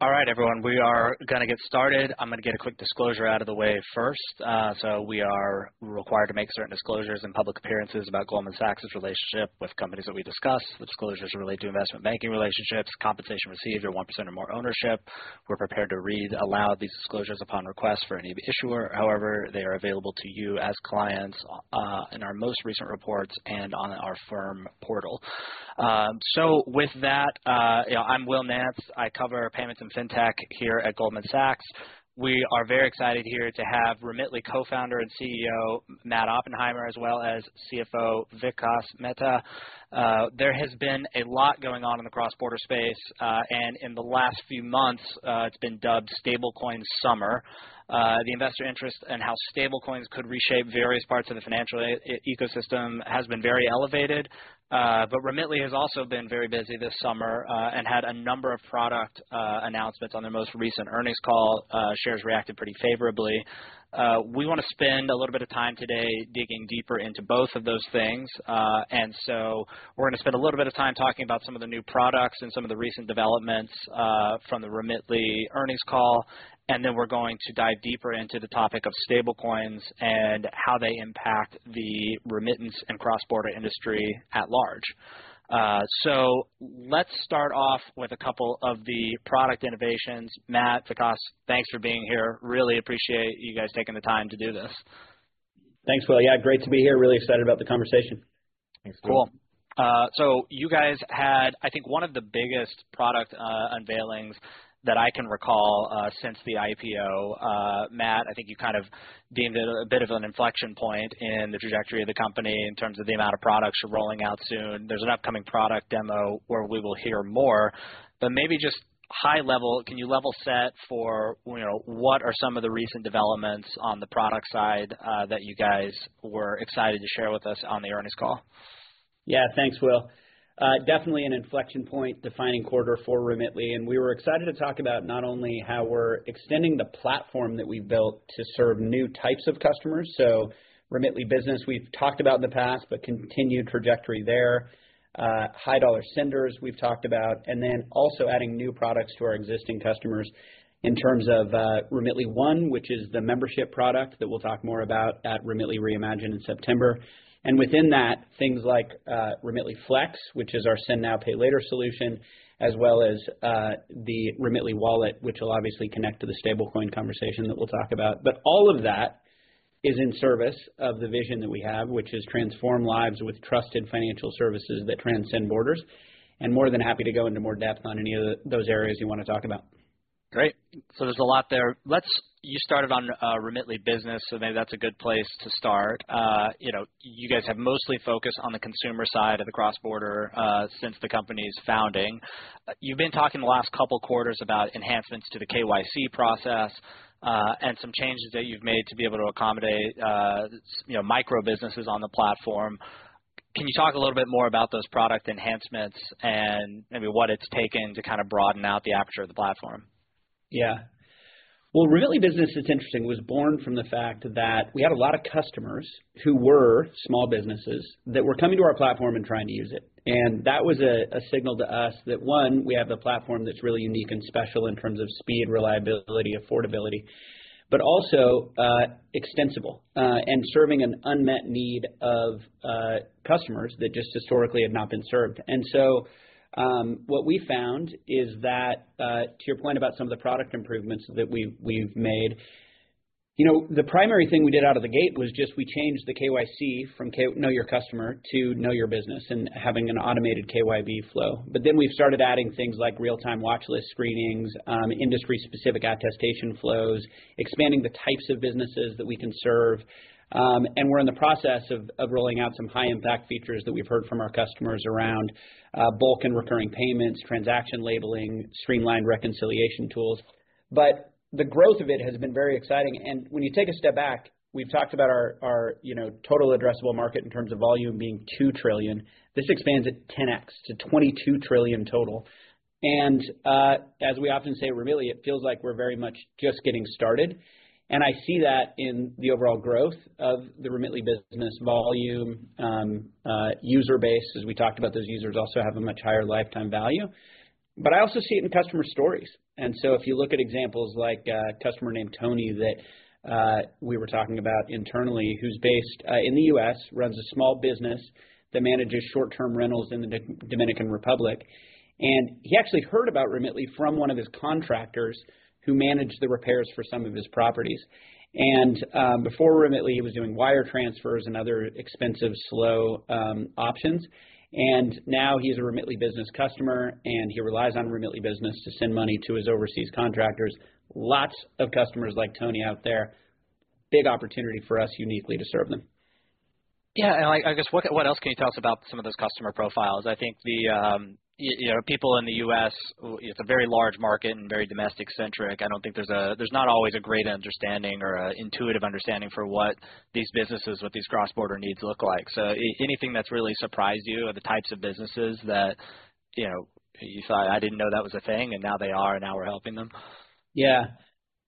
All right, everyone, we are going to get started. I'm going to get a quick disclosure out of the way first. So we are required to make certain disclosures in public appearances about Goldman Sachs' relationship with companies that we discuss. The disclosures relate to investment banking relationships, compensation received or 1% or more ownership. We're prepared to read aloud these disclosures upon request for any issuer. However, they are available to you as clients in our most recent reports and on our firm portal. So with that, I'm Will Nance. I cover payments and fintech here at Goldman Sachs. We are very excited here to have Remitly Co-founder and CEO Matt Oppenheimer, as well as CFO Vikas Mehta. There has been a lot going on in the cross-border space, and in the last few months, it's been dubbed Stablecoin Summer. The investor interest in how stablecoins could reshape various parts of the financial ecosystem has been very elevated, but Remitly has also been very busy this summer and had a number of product announcements on their most recent earnings call. Shares reacted pretty favorably. We want to spend a little bit of time today digging deeper into both of those things, and so we're going to spend a little bit of time talking about some of the new products and some of the recent developments from the Remitly earnings call. And then we're going to dive deeper into the topic of stablecoins and how they impact the remittance and cross-border industry at large, so let's start off with a couple of the product innovations. Matt, Vikas, thanks for being here. Really appreciate you guys taking the time to do this. Thanks, Will. Yeah, great to be here. Really excited about the conversation. Thanks, Will. Cool. So you guys had, I think, one of the biggest product unveilings that I can recall since the IPO. Matt, I think you kind of deemed it a bit of an inflection point in the trajectory of the company in terms of the amount of products you're rolling out soon. There's an upcoming product demo where we will hear more. But maybe just high level, can you level set for what are some of the recent developments on the product side that you guys were excited to share with us on the earnings call? Yeah, thanks, Will. Definitely an inflection point, the Q2 for Remitly. And we were excited to talk about not only how we're extending the platform that we've built to serve new types of customers. So Remitly Business we've talked about in the past, but continued trajectory there. High dollar senders we've talked about. And then also adding new products to our existing customers in terms of Remitly One, which is the membership product that we'll talk more about at Remitly Reimagine in September. And within that, things like Remitly Flex, which is our Send Now, Pay later solution, as well as the Remitly Wallet, which will obviously connect to the stablecoin conversation that we'll talk about. But all of that is in service of the vision that we have, which is transform lives with trusted financial services that transcend borders. More than happy to go into more depth on any of those areas you want to talk about. Great. So there's a lot there. You started on Remitly Business, so maybe that's a good place to start. You guys have mostly focused on the consumer side of the cross-border since the company's founding. You've been talking the last couple of quarters about enhancements to the KYC process and some changes that you've made to be able to accommodate micro businesses on the platform. Can you talk a little bit more about those product enhancements and maybe what it's taken to kind of broaden out the aperture of the platform? Yeah. Well, Remitly Business, it's interesting, was born from the fact that we had a lot of customers who were small businesses that were coming to our platform and trying to use it. And that was a signal to us that, one, we have a platform that's really unique and special in terms of speed, reliability, affordability, but also extensible and serving an unmet need of customers that just historically had not been served. And so what we found is that, to your point about some of the product improvements that we've made, the primary thing we did out of the gate was just we changed the KYC from know your customer to know your business and having an automated KYB flow. But then we've started adding things like real-time watchlist screenings, industry-specific attestation flows, expanding the types of businesses that we can serve. We're in the process of rolling out some high-impact features that we've heard from our customers around bulk and recurring payments, transaction labeling, streamlined reconciliation tools. But the growth of it has been very exciting. When you take a step back, we've talked about our total addressable market in terms of volume being $2 trillion. This expands at 10x to $22 trillion total. As we often say at Remitly, it feels like we're very much just getting started. I see that in the overall growth of the Remitly business volume, user base, as we talked about, those users also have a much higher lifetime value. But I also see it in customer stories. And so if you look at examples like a customer named Tony that we were talking about internally, who's based in the U.S., runs a small business that manages short-term rentals in the Dominican Republic. And he actually heard about Remitly from one of his contractors who managed the repairs for some of his properties. And before Remitly, he was doing wire transfers and other expensive, slow options. And now he's a Remitly Business customer, and he relies on Remitly Business to send money to his overseas contractors. Lots of customers like Tony out there, big opportunity for us uniquely to serve them. Yeah, and I guess what else can you tell us about some of those customer profiles? I think people in the U.S., it's a very large market and very domestic-centric. I don't think there's not always a great understanding or an intuitive understanding for what these businesses with these cross-border needs look like. So anything that's really surprised you or the types of businesses that you thought, "I didn't know that was a thing," and now they are, and now we're helping them? Yeah.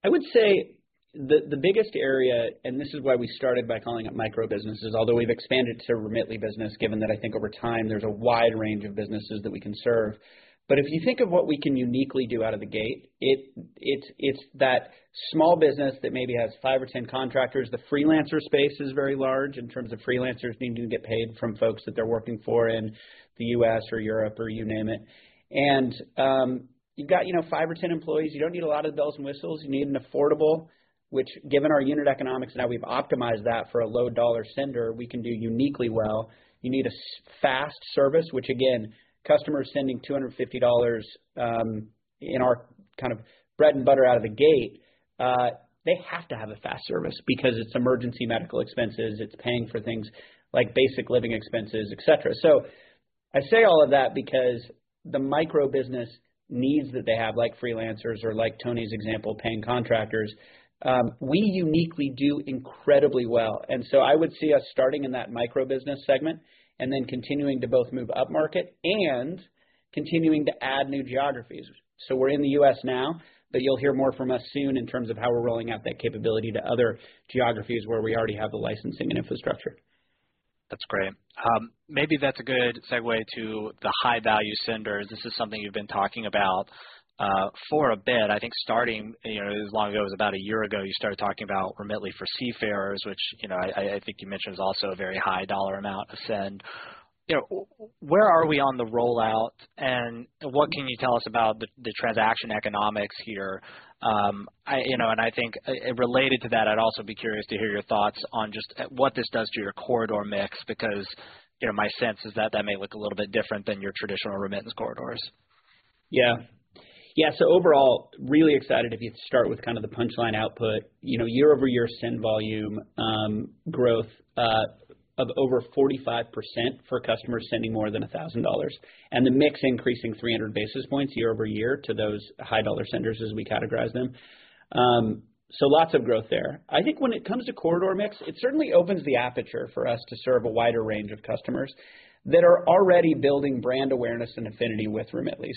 I would say the biggest area, and this is why we started by calling it micro businesses, although we've expanded to Remitly Business, given that I think over time there's a wide range of businesses that we can serve, but if you think of what we can uniquely do out of the gate, it's that small business that maybe has 5 or 10 contractors. The freelancer space is very large in terms of freelancers needing to get paid from folks that they're working for in the U.S. or Europe or you name it, and you've got 5 or 10 employees. You don't need a lot of bells and whistles. You need an affordable, which given our unit economics and how we've optimized that for a low dollar sender, we can do uniquely well. You need a fast service, which again, customers sending $250 in our kind of bread and butter out of the gate, they have to have a fast service because it's emergency medical expenses. It's paying for things like basic living expenses, etc., so I say all of that because the micro business needs that they have, like freelancers or like Tony's example, paying contractors, we uniquely do incredibly well, and so I would see us starting in that micro business segment and then continuing to both move upmarket and continuing to add new geographies, so we're in the U.S. now, but you'll hear more from us soon in terms of how we're rolling out that capability to other geographies where we already have the licensing and infrastructure. That's great. Maybe that's a good segue to the high-value senders. This is something you've been talking about for a bit. I think starting as long ago as about a year ago, you started talking about Remitly for Seafarers, which I think you mentioned is also a very high dollar amount to send. Where are we on the rollout? And what can you tell us about the transaction economics here? And I think related to that, I'd also be curious to hear your thoughts on just what this does to your corridor mix, because my sense is that that may look a little bit different than your traditional remittance corridors. Yeah. Yeah. So overall, really excited if you start with kind of the punchline output, year-over-year send volume growth of over 45% for customers sending more than $1,000, and the mix increasing 300 basis points year-over-year to those high dollar senders as we categorize them. So lots of growth there. I think when it comes to corridor mix, it certainly opens the aperture for us to serve a wider range of customers that are already building brand awareness and affinity with Remitly.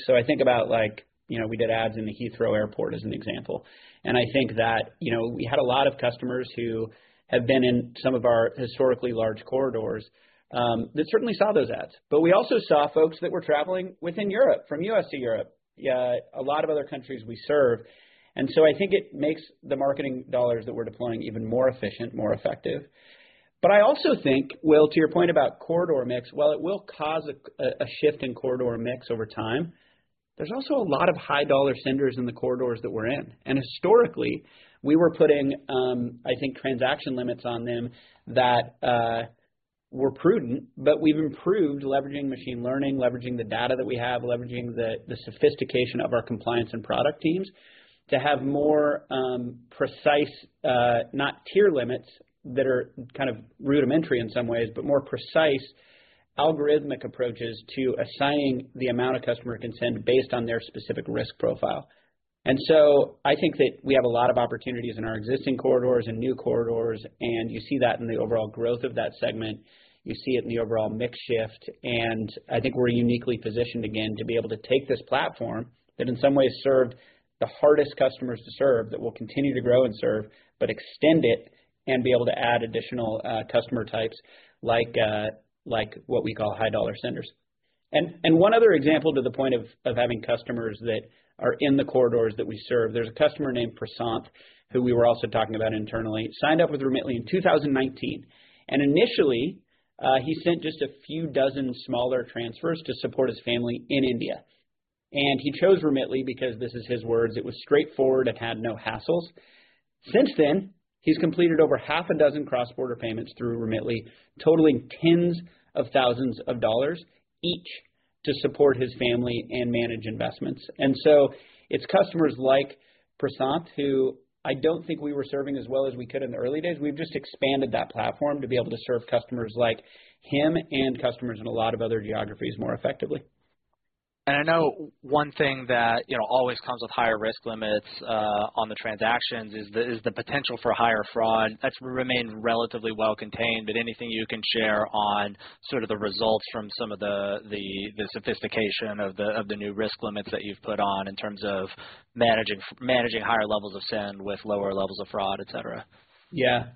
So I think about like we did ads in the Heathrow Airport as an example. And I think that we had a lot of customers who have been in some of our historically large corridors that certainly saw those ads. But we also saw folks that were traveling within Europe from U.S. to Europe, a lot of other countries we serve. And so I think it makes the marketing dollars that we're deploying even more efficient, more effective. But I also think, Will, to your point about corridor mix, while it will cause a shift in corridor mix over time, there's also a lot of high dollar senders in the corridors that we're in. And historically, we were putting, I think, transaction limits on them that were prudent, but we've improved leveraging machine learning, leveraging the data that we have, leveraging the sophistication of our compliance and product teams to have more precise, not tier limits that are kind of rudimentary in some ways, but more precise algorithmic approaches to assigning the amount a customer can send based on their specific risk profile. And so I think that we have a lot of opportunities in our existing corridors and new corridors. You see that in the overall growth of that segment. You see it in the overall mix shift. I think we're uniquely positioned again to be able to take this platform that in some ways served the hardest customers to serve that will continue to grow and serve, but extend it and be able to add additional customer types like what we call high dollar senders. One other example to the point of having customers that are in the corridors that we serve, there's a customer named Prashant, who we were also talking about internally, signed up with Remitly in 2019. Initially, he sent just a few dozen smaller transfers to support his family in India. He chose Remitly because, this is his words, it was straightforward and had no hassles. Since then, he's completed over half a dozen cross-border payments through Remitly, totaling tens of thousands of dollars each to support his family and manage investments, and so it's customers like Prashant who I don't think we were serving as well as we could in the early days. We've just expanded that platform to be able to serve customers like him and customers in a lot of other geographies more effectively. And I know one thing that always comes with higher risk limits on the transactions is the potential for higher fraud that's remained relatively well contained. But anything you can share on sort of the results from some of the sophistication of the new risk limits that you've put on in terms of managing higher levels of send with lower levels of fraud, etc.? Yeah. We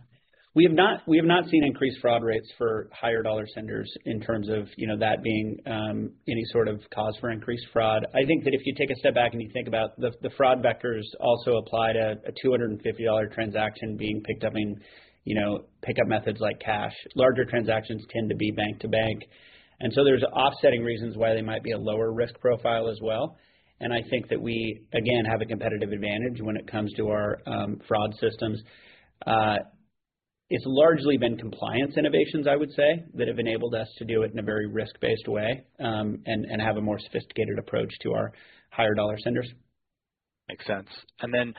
have not seen increased fraud rates for higher dollar senders in terms of that being any sort of cause for increased fraud. I think that if you take a step back and you think about the fraud vectors also apply to a $250 transaction being picked up in pickup methods like cash. Larger transactions tend to be bank to bank. And so there's offsetting reasons why they might be a lower risk profile as well. And I think that we, again, have a competitive advantage when it comes to our fraud systems. It's largely been compliance innovations, I would say, that have enabled us to do it in a very risk-based way and have a more sophisticated approach to our higher dollar senders. Makes sense. And then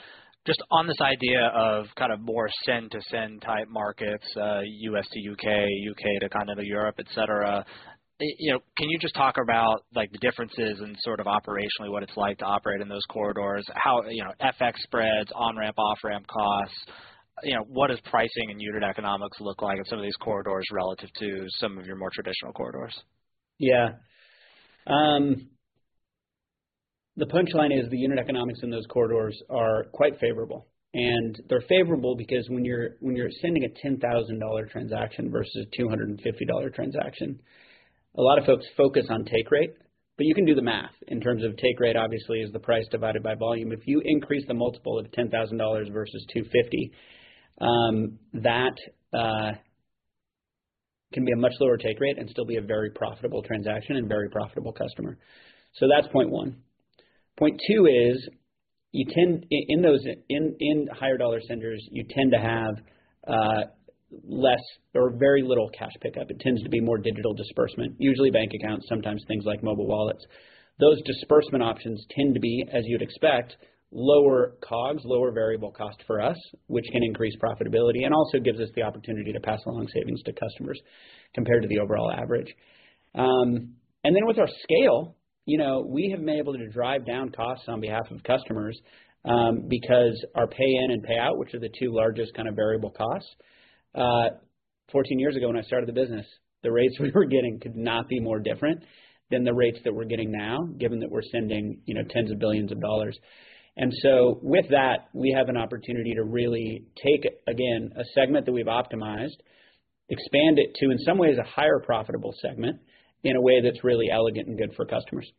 just on this idea of kind of more send-to-send type markets, U.S. to U.K., U.K. to kind of Europe, etc., can you just talk about the differences and sort of operationally what it's like to operate in those corridors? FX spreads, on-ramp, off-ramp costs, what does pricing and unit economics look like in some of these corridors relative to some of your more traditional corridors? Yeah. The punchline is the unit economics in those corridors are quite favorable, and they're favorable because when you're sending a $10,000 transaction versus a $250 transaction, a lot of folks focus on take rate, but you can do the math in terms of take rate, obviously, is the price divided by volume. If you increase the multiple of $10,000 versus $250, that can be a much lower take rate and still be a very profitable transaction and very profitable customer, so that's point one. Point two is in those higher dollar senders, you tend to have less or very little cash pickup. It tends to be more digital disbursement, usually bank accounts, sometimes things like mobile wallets. Those disbursement options tend to be, as you'd expect, lower COGS, lower variable cost for us, which can increase profitability and also gives us the opportunity to pass along savings to customers compared to the overall average. And then with our scale, we have been able to drive down costs on behalf of customers because our pay-in and pay-out, which are the two largest kind of variable costs, 14 years ago when I started the business, the rates we were getting could not be more different than the rates that we're getting now, given that we're sending tens of billions of dollars. And so with that, we have an opportunity to really take, again, a segment that we've optimized, expand it to, in some ways, a higher profitable segment in a way that's really elegant and good for customers.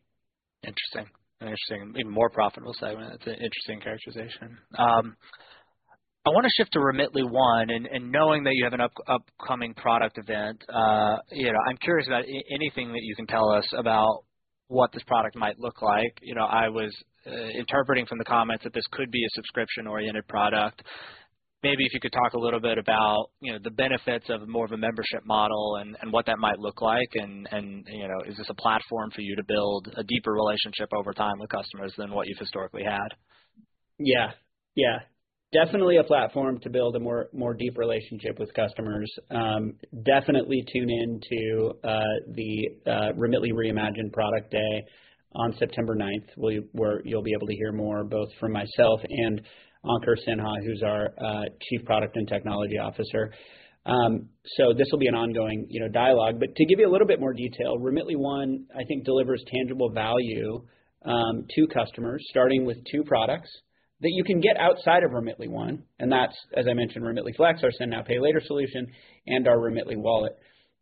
Interesting. Interesting. Even more profitable segment. That's an interesting characterization. I want to shift to Remitly One. And knowing that you have an upcoming product event, I'm curious about anything that you can tell us about what this product might look like. I was interpreting from the comments that this could be a subscription-oriented product. Maybe if you could talk a little bit about the benefits of more of a membership model and what that might look like. And is this a platform for you to build a deeper relationship over time with customers than what you've historically had? Yeah. Yeah. Definitely a platform to build a more deep relationship with customers. Definitely tune in to the Remitly Reimagine product day on September 9th, where you'll be able to hear more both from myself and Ankur Sinha, who's our Chief Product and Technology Officer. So this will be an ongoing dialogue. But to give you a little bit more detail, Remitly One, I think, delivers tangible value to customers starting with two products that you can get outside of Remitly One. And that's, as I mentioned, Remitly Flex, our Send Now, Pay Later solution, and our Remitly Wallet.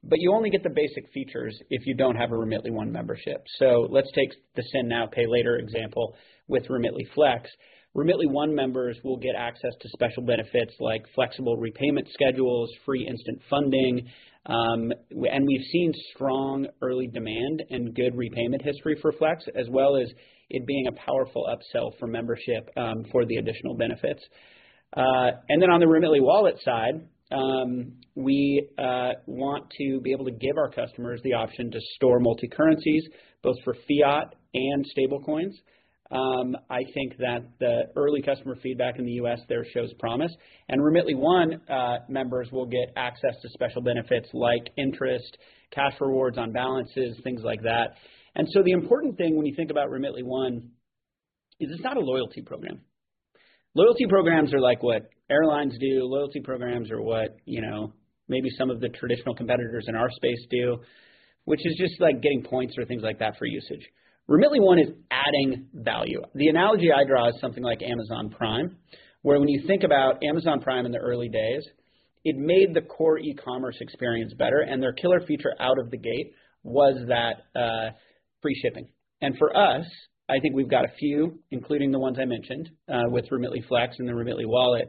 But you only get the basic features if you don't have a Remitly One membership. So let's take the Send Now, Pay Later example with Remitly Flex. Remitly One members will get access to special benefits like flexible repayment schedules, free instant funding. And we've seen strong early demand and good repayment history for Flex, as well as it being a powerful upsell for membership for the additional benefits. And then on the Remitly Wallet side, we want to be able to give our customers the option to store multi-currencies, both for fiat and stablecoins. I think that the early customer feedback in the U.S. there shows promise. And Remitly One members will get access to special benefits like interest, cash rewards on balances, things like that. And so the important thing when you think about Remitly One is it's not a loyalty program. Loyalty programs are like what airlines do. Loyalty programs are what maybe some of the traditional competitors in our space do, which is just like getting points or things like that for usage. Remitly One is adding value. The analogy I draw is something like Amazon Prime, where when you think about Amazon Prime in the early days, it made the core e-commerce experience better. And their killer feature out of the gate was that free shipping. And for us, I think we've got a few, including the ones I mentioned with Remitly Flex and the Remitly Wallet,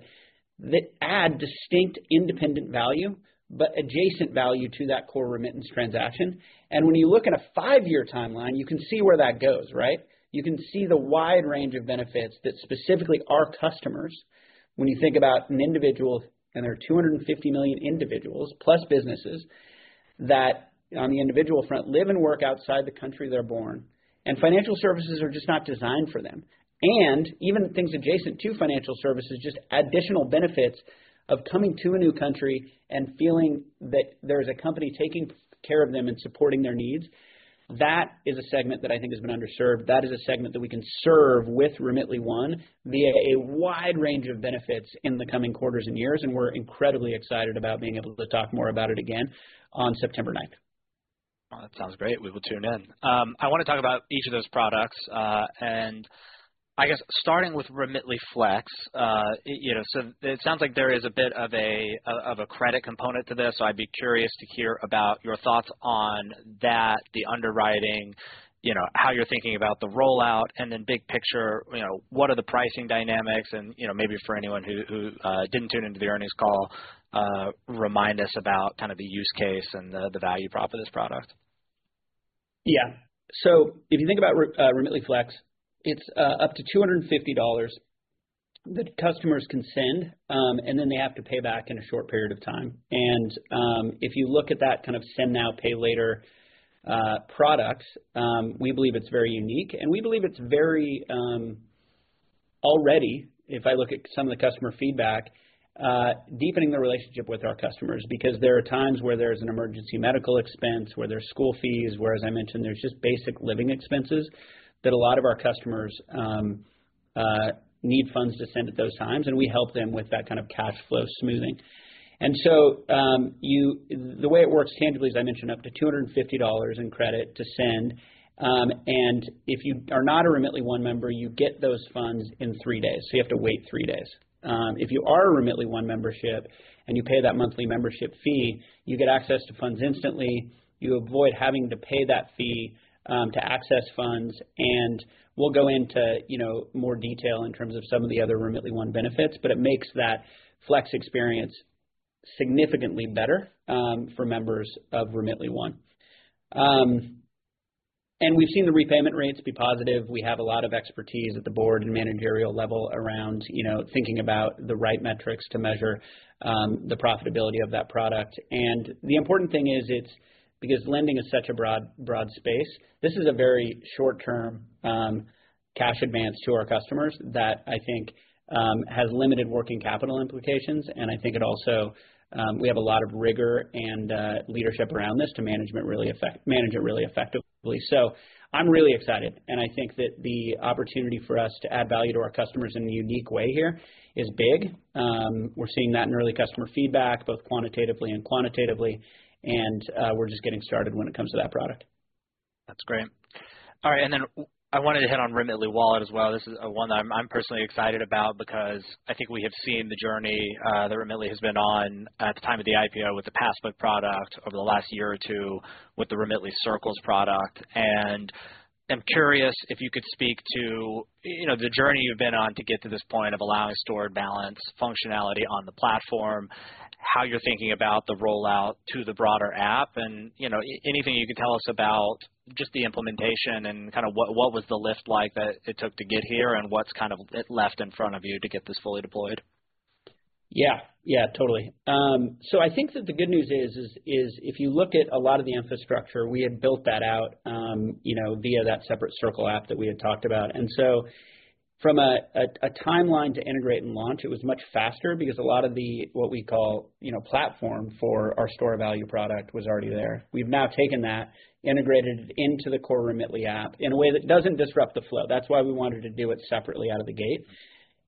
that add distinct independent value, but adjacent value to that core remittance transaction. And when you look at a five-year timeline, you can see where that goes, right? You can see the wide range of benefits that specifically our customers, when you think about an individual and there are 250 million individuals plus businesses that on the individual front live and work outside the country they're born. And financial services are just not designed for them. And even things adjacent to financial services, just additional benefits of coming to a new country and feeling that there is a company taking care of them and supporting their needs, that is a segment that I think has been underserved. That is a segment that we can serve with Remitly One via a wide range of benefits in the coming quarters and years. And we're incredibly excited about being able to talk more about it again on September 9th. That sounds great. We will tune in. I want to talk about each of those products. I guess starting with Remitly Flex, so it sounds like there is a bit of a credit component to this. I'd be curious to hear about your thoughts on that, the underwriting, how you're thinking about the rollout, and then big picture, what are the pricing dynamics? Maybe for anyone who didn't tune into the earnings call, remind us about kind of the use case and the value prop of this product. Yeah. So if you think about Remitly Flex, it's up to $250 that customers can send, and then they have to pay back in a short period of time. And if you look at that kind of Send Now, Pay Later product, we believe it's very unique. And we believe it's very already, if I look at some of the customer feedback, deepening the relationship with our customers because there are times where there's an emergency medical expense, where there's school fees, where, as I mentioned, there's just basic living expenses that a lot of our customers need funds to send at those times. And we help them with that kind of cash flow smoothing. And so the way it works tangibly, as I mentioned, up to $250 in credit to send. And if you are not a Remitly One member, you get those funds in three days. You have to wait three days. If you are a Remitly One membership and you pay that monthly membership fee, you get access to funds instantly. You avoid having to pay that fee to access funds. We'll go into more detail in terms of some of the other Remitly One benefits, but it makes that Flex experience significantly better for members of Remitly One. We've seen the repayment rates be positive. We have a lot of expertise at the board and managerial level around thinking about the right metrics to measure the profitability of that product. The important thing is because lending is such a broad space, this is a very short-term cash advance to our customers that I think has limited working capital implications. I think it also we have a lot of rigor and leadership around this to manage it really effectively. So I'm really excited. And I think that the opportunity for us to add value to our customers in a unique way here is big. We're seeing that in early customer feedback, both quantitatively and qualitatively. And we're just getting started when it comes to that product. That's great. All right. And then I wanted to hit on Remitly Wallet as well. This is one that I'm personally excited about because I think we have seen the journey that Remitly has been on at the time of the IPO with the Passbook product over the last year or two with the Remitly Circles product. And I'm curious if you could speak to the journey you've been on to get to this point of allowing stored balance functionality on the platform, how you're thinking about the rollout to the broader app, and anything you could tell us about just the implementation and kind of what was the lift like that it took to get here and what's kind of left in front of you to get this fully deployed. Yeah. Yeah, totally. I think that the good news is if you look at a lot of the infrastructure we had built that out via that separate Circle app that we had talked about. From a timeline to integrate and launch, it was much faster because a lot of the what we call platform for our stored value product was already there. We've now taken that, integrated it into the core Remitly app in a way that doesn't disrupt the flow. That's why we wanted to do it separately out of the gate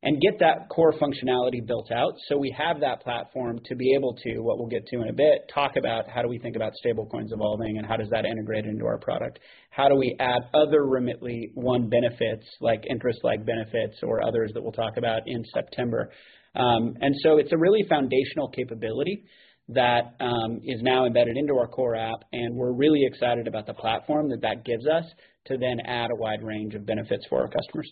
and get that core functionality built out. We have that platform to be able to, what we'll get to in a bit, talk about how we think about stablecoins evolving and how that integrates into our product. How do we add other Remitly One benefits like interest-like benefits or others that we'll talk about in September? And so it's a really foundational capability that is now embedded into our core app. And we're really excited about the platform that gives us to then add a wide range of benefits for our customers.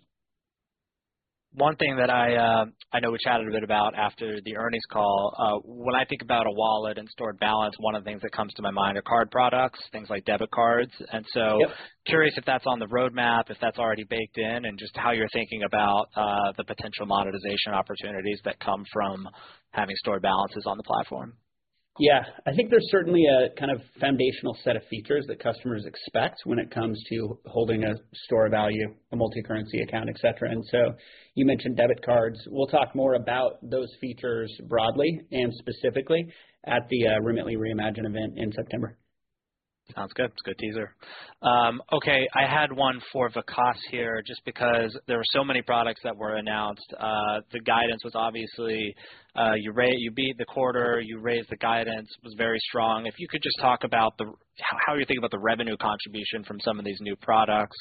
One thing that I know we chatted a bit about after the earnings call, when I think about a wallet and stored balance, one of the things that comes to my mind are card products, things like debit cards, and so curious if that's on the roadmap, if that's already baked in, and just how you're thinking about the potential monetization opportunities that come from having stored balances on the platform. Yeah. I think there's certainly a kind of foundational set of features that customers expect when it comes to holding a store value, a multi-currency account, etc. And so you mentioned debit cards. We'll talk more about those features broadly and specifically at the Remitly Reimagine event in September. Sounds good. It's a good teaser. Okay. I had one for Vikas here just because there were so many products that were announced. The guidance was obviously you beat the quarter, you raised the guidance, was very strong. If you could just talk about how you're thinking about the revenue contribution from some of these new products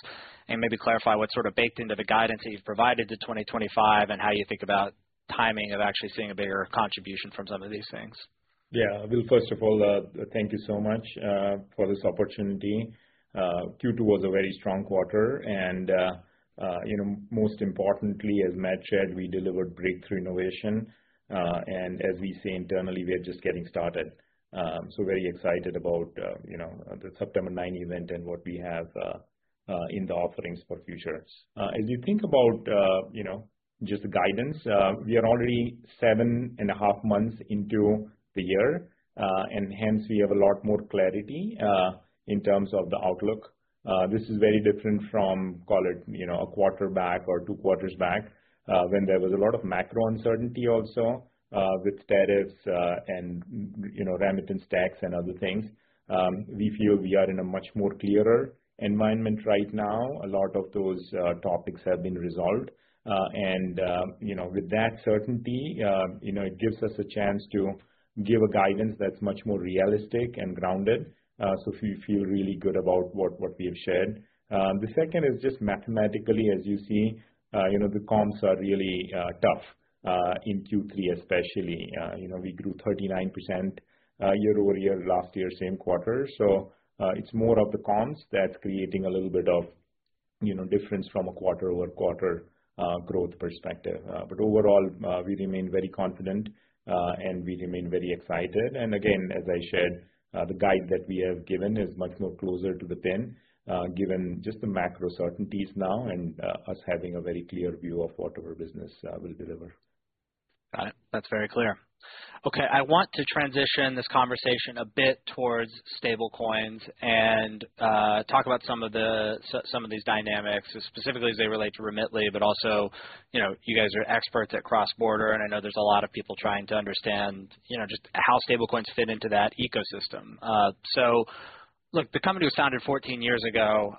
and maybe clarify what sort of baked into the guidance that you've provided to 2025 and how you think about timing of actually seeing a bigger contribution from some of these things. Yeah. Well, first of all, thank you so much for this opportunity. Q2 was a very strong quarter. And most importantly, as Matt said, we delivered breakthrough innovation. And as we say internally, we are just getting started. So very excited about the September 9 event and what we have in the offerings for future. As you think about just the guidance, we are already seven and a half months into the year. And hence, we have a lot more clarity in terms of the outlook. This is very different from, call it a quarter back or two quarters back when there was a lot of macro uncertainty also with tariffs and remittance tax and other things. We feel we are in a much more clearer environment right now. A lot of those topics have been resolved. And with that certainty, it gives us a chance to give a guidance that's much more realistic and grounded. So we feel really good about what we have shared. The second is just mathematically, as you see, the comps are really tough in Q3, especially. We grew 39% year over year last year, same quarter. So it's more of the comps that's creating a little bit of difference from a quarter-over-quarter growth perspective. But overall, we remain very confident and we remain very excited. And again, as I shared, the guide that we have given is much more closer to the pin given just the macro certainties now and us having a very clear view of what our business will deliver. Got it. That's very clear. Okay. I want to transition this conversation a bit towards stablecoins and talk about some of these dynamics, specifically as they relate to Remitly, but also you guys are experts at cross-border, and I know there's a lot of people trying to understand just how stablecoins fit into that ecosystem, so look, the company was founded 14 years ago.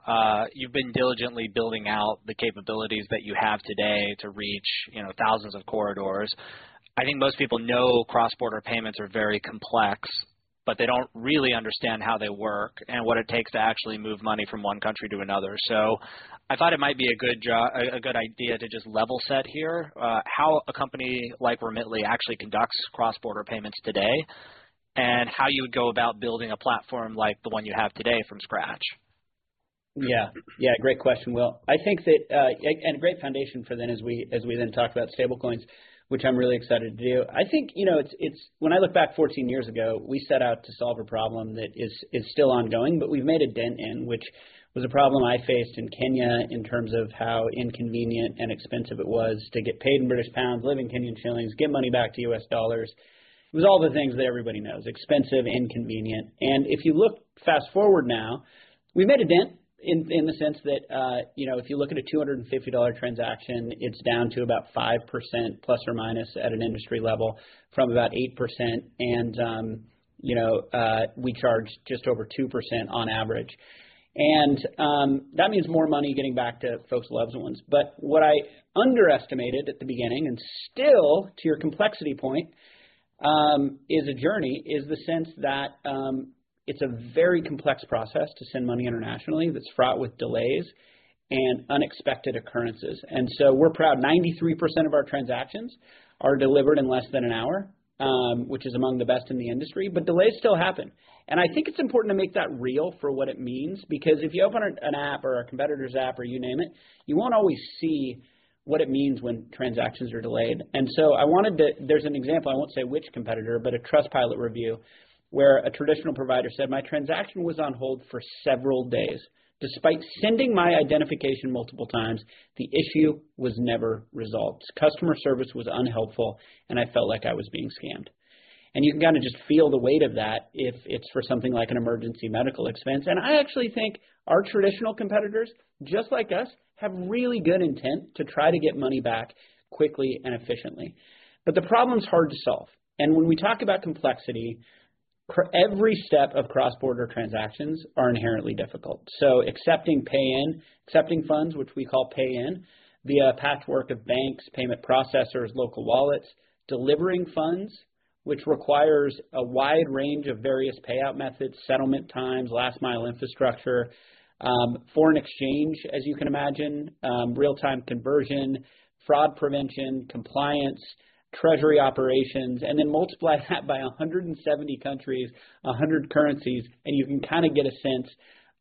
You've been diligently building out the capabilities that you have today to reach thousands of corridors. I think most people know cross-border payments are very complex, but they don't really understand how they work and what it takes to actually move money from one country to another. So I thought it might be a good idea to just level set here how a company like Remitly actually conducts cross-border payments today and how you would go about building a platform like the one you have today from scratch. Yeah. Yeah. Great question, Will. I think that and a great foundation for then as we talk about stablecoins, which I'm really excited to do. I think when I look back 14 years ago, we set out to solve a problem that is still ongoing, but we've made a dent in, which was a problem I faced in Kenya in terms of how inconvenient and expensive it was to get paid in British pounds, live in Kenyan shillings, get money back to U.S. dollars. It was all the things that everybody knows: expensive, inconvenient. And if you look fast forward now, we've made a dent in the sense that if you look at a $250 transaction, it's down to about 5% plus or minus at an industry level from about 8%. And we charge just over 2% on average. And that means more money getting back to folks' loved ones. But what I underestimated at the beginning and still, to your complexity point, is a journey is the sense that it's a very complex process to send money internationally that's fraught with delays and unexpected occurrences. And so we're proud 93% of our transactions are delivered in less than an hour, which is among the best in the industry, but delays still happen. And I think it's important to make that real for what it means because if you open an app or a competitor's app or you name it, you won't always see what it means when transactions are delayed. And so I wanted to there's an example. I won't say which competitor, but a Trustpilot review where a traditional provider said, "My transaction was on hold for several days. Despite sending my identification multiple times, the issue was never resolved. Customer service was unhelpful, and I felt like I was being scammed." And you can kind of just feel the weight of that if it's for something like an emergency medical expense. And I actually think our traditional competitors, just like us, have really good intent to try to get money back quickly and efficiently. But the problem's hard to solve. And when we talk about complexity, every step of cross-border transactions are inherently difficult. Accepting pay-in, accepting funds, which we call pay-in, via patchwork of banks, payment processors, local wallets, delivering funds, which requires a wide range of various payout methods, settlement times, last-mile infrastructure, foreign exchange, as you can imagine, real-time conversion, fraud prevention, compliance, treasury operations, and then multiply that by 170 countries, 100 currencies, and you can kind of get a sense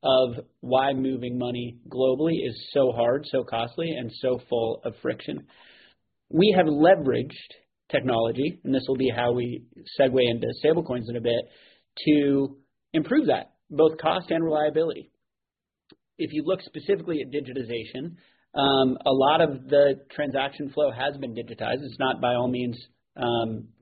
of why moving money globally is so hard, so costly, and so full of friction. We have leveraged technology, and this will be how we segue into stablecoins in a bit, to improve that, both cost and reliability. If you look specifically at digitization, a lot of the transaction flow has been digitized. It's not by all means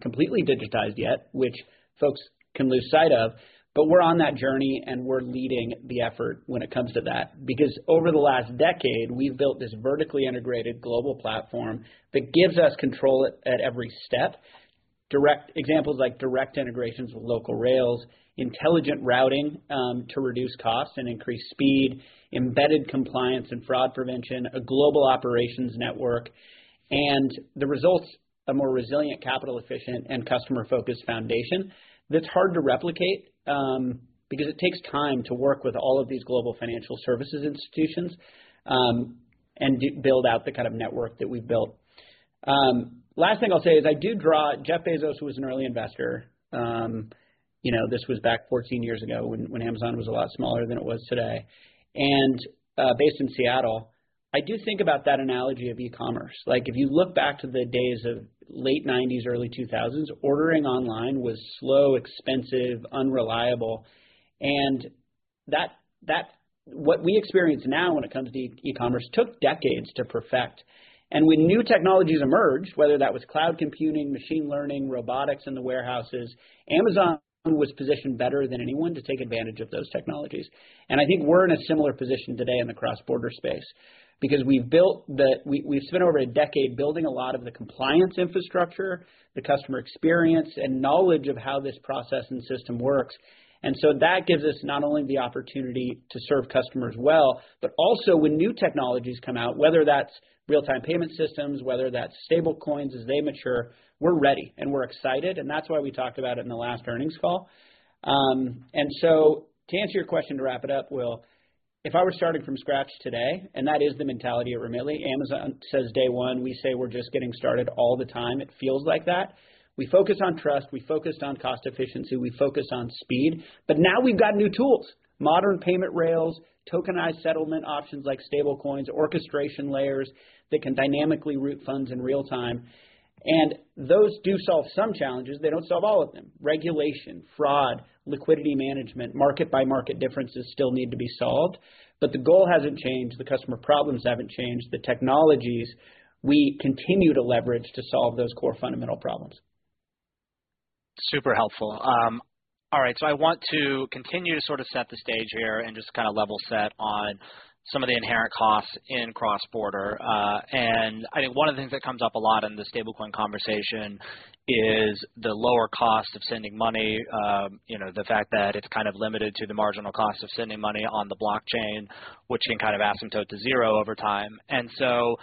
completely digitized yet, which folks can lose sight of. But we're on that journey, and we're leading the effort when it comes to that because over the last decade, we've built this vertically integrated global platform that gives us control at every step, examples like direct integrations with local rails, intelligent routing to reduce costs and increase speed, embedded compliance and fraud prevention, a global operations network, and the results of a more resilient, capital-efficient, and customer-focused foundation that's hard to replicate because it takes time to work with all of these global financial services institutions and build out the kind of network that we've built. Last thing I'll say is I do draw Jeff Bezos, who was an early investor. This was back 14 years ago when Amazon was a lot smaller than it was today. And based in Seattle, I do think about that analogy of e-commerce. If you look back to the days of late 1990s, early 2000s, ordering online was slow, expensive, unreliable. And what we experience now when it comes to e-commerce took decades to perfect. And when new technologies emerged, whether that was cloud computing, machine learning, robotics in the warehouses, Amazon was positioned better than anyone to take advantage of those technologies. And I think we're in a similar position today in the cross-border space because we've spent over a decade building a lot of the compliance infrastructure, the customer experience, and knowledge of how this process and system works. And so that gives us not only the opportunity to serve customers well, but also when new technologies come out, whether that's real-time payment systems, whether that's stablecoins as they mature, we're ready and we're excited. And that's why we talked about it in the last earnings call. And so to answer your question to wrap it up, Will, if I were starting from scratch today, and that is the mentality at Remitly. Amazon says day one, we say we're just getting started all the time. It feels like that. We focus on trust. We focused on cost efficiency. We focus on speed. But now we've got new tools: modern payment rails, tokenized settlement options like stablecoins, orchestration layers that can dynamically route funds in real time. And those do solve some challenges. They don't solve all of them. Regulation, fraud, liquidity management, market-by-market differences still need to be solved. But the goal hasn't changed. The customer problems haven't changed. The technologies we continue to leverage to solve those core fundamental problems. Super helpful. All right, so I want to continue to sort of set the stage here and just kind of level set on some of the inherent costs in cross-border, and I think one of the things that comes up a lot in the stablecoin conversation is the lower cost of sending money, the fact that it's kind of limited to the marginal cost of sending money on the blockchain, which can kind of asymptote to zero over time, so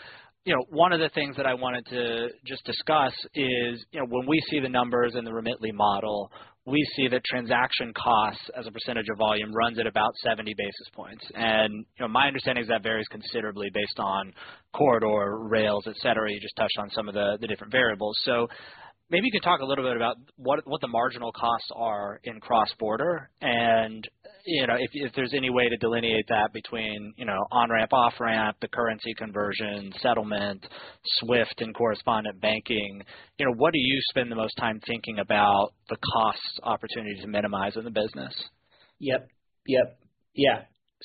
one of the things that I wanted to just discuss is when we see the numbers in the Remitly model, we see that transaction costs as a percentage of volume runs at about 70 basis points, and my understanding is that varies considerably based on corridor, rails, etc. You just touched on some of the different variables. So maybe you can talk a little bit about what the marginal costs are in cross-border, and if there's any way to delineate that between on-ramp, off-ramp, the currency conversion, settlement, SWIFT and correspondent banking, what do you spend the most time thinking about the cost opportunity to minimize in the business? Yeah.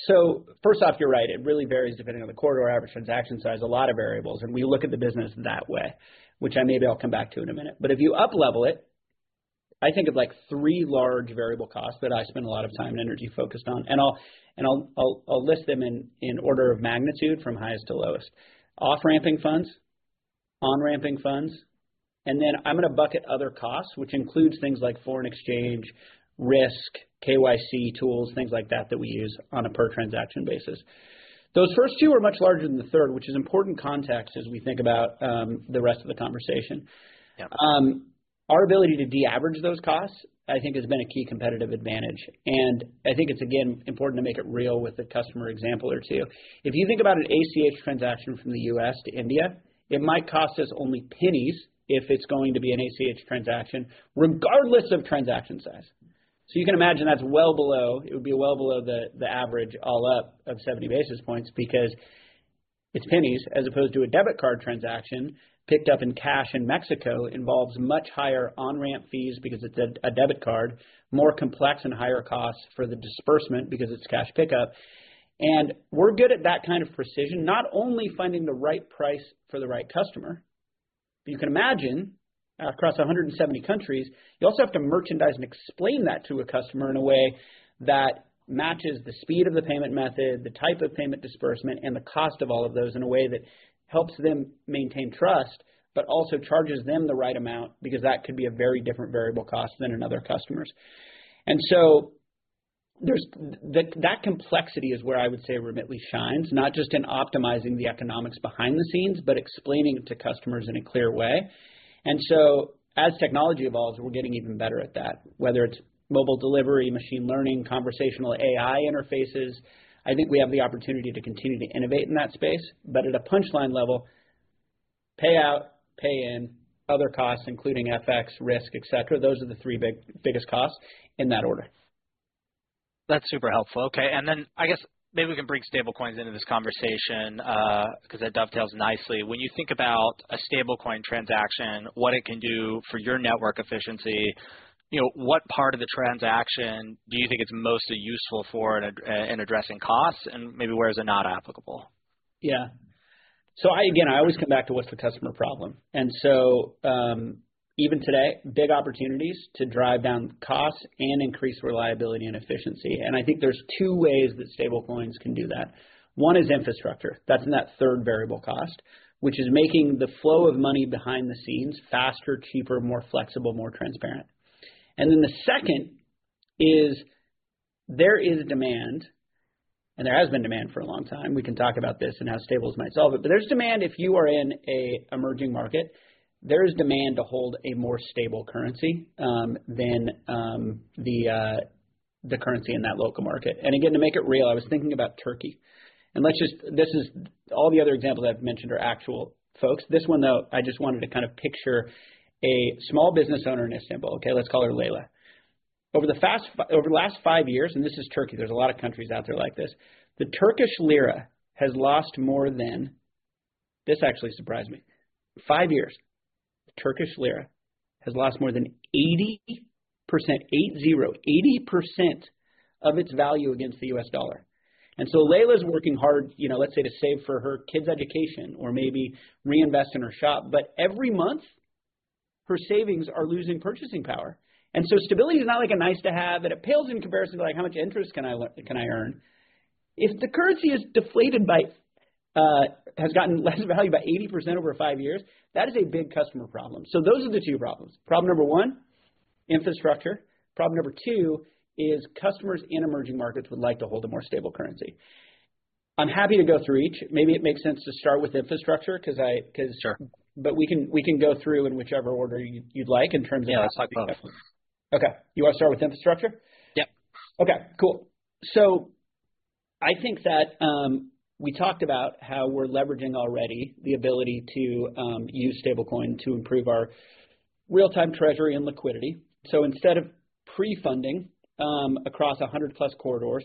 So first off, you're right. It really varies depending on the corridor, average transaction size, a lot of variables. And we look at the business that way, which I maybe I'll come back to in a minute. But if you up-level it, I think of three large variable costs that I spend a lot of time and energy focused on. And I'll list them in order of magnitude from highest to lowest: off-ramping funds, on-ramping funds. And then I'm going to bucket other costs, which includes things like foreign exchange risk, KYC tools, things like that that we use on a per-transaction basis. Those first two are much larger than the third, which is important context as we think about the rest of the conversation. Our ability to de-average those costs, I think, has been a key competitive advantage. I think it's, again, important to make it real with a customer example or two. If you think about an ACH transaction from the U.S. to India, it might cost us only pennies if it's going to be an ACH transaction, regardless of transaction size. So you can imagine that's well below. It would be well below the average all up of 70 basis points because it's pennies as opposed to a debit card transaction picked up in cash in Mexico, involves much higher on-ramp fees because it's a debit card, more complex and higher costs for the disbursement because it's cash pickup. We're good at that kind of precision, not only finding the right price for the right customer. But you can imagine across 170 countries, you also have to merchandise and explain that to a customer in a way that matches the speed of the payment method, the type of payment disbursement, and the cost of all of those in a way that helps them maintain trust, but also charges them the right amount because that could be a very different variable cost than another customer's. And so that complexity is where I would say Remitly shines, not just in optimizing the economics behind the scenes, but explaining it to customers in a clear way. And so as technology evolves, we're getting even better at that, whether it's mobile delivery, machine learning, conversational AI interfaces. I think we have the opportunity to continue to innovate in that space. But at a punchline level, payout, pay-in, other costs, including FX, risk, etc., those are the three biggest costs in that order. That's super helpful. Okay. And then I guess maybe we can bring stablecoins into this conversation because that dovetails nicely. When you think about a stablecoin transaction, what it can do for your network efficiency, what part of the transaction do you think it's most useful for in addressing costs? And maybe where is it not applicable? Yeah, so again, I always come back to what's the customer problem, and so even today, big opportunities to drive down costs and increase reliability and efficiency, and I think there's two ways that stablecoins can do that. One is infrastructure. That's in that third variable cost, which is making the flow of money behind the scenes faster, cheaper, more flexible, more transparent, and then the second is there is demand, and there has been demand for a long time. We can talk about this and how stables might solve it, but there's demand if you are in an emerging market. There is demand to hold a more stable currency than the currency in that local market, and again, to make it real, I was thinking about Turkey, and this is all the other examples I've mentioned are actual folks. This one, though, I just wanted to kind of picture a small business owner in Istanbul. Okay. Let's call her Leyla. Over the last five years, and this is Turkey, there's a lot of countries out there like this, the Turkish lira has lost more than this actually surprised me. Five years, the Turkish lira has lost more than 80%, 8-0, 80% of its value against the U.S. dollar. And so Leyla is working hard, let's say, to save for her kid's education or maybe reinvest in her shop. But every month, her savings are losing purchasing power. And so stability is not like a nice-to-have, and it pales in comparison to how much interest can I earn. If the currency has gotten less value by 80% over five years, that is a big customer problem. So those are the two problems. Problem number one, infrastructure. Problem number two is customers in emerging markets would like to hold a more stable currency. I'm happy to go through each. Maybe it makes sense to start with infrastructure because we can go through in whichever order you'd like in terms of how it's going. Yeah. Let's talk about that. Okay. You want to start with infrastructure? Yep. Okay. Cool. So I think that we talked about how we're leveraging already the ability to use stablecoin to improve our real-time treasury and liquidity. So instead of pre-funding across 100-plus corridors,